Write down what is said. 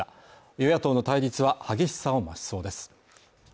与野党の対立は激しさを増しそうです。